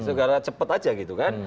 sebenarnya cepat saja gitu kan